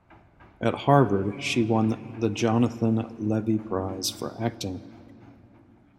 At Harvard, she won the Jonathan Levy Prize for acting.